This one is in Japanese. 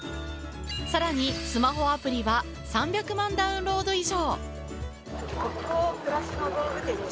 更にスマホアプリは３００万ダウンロード以上。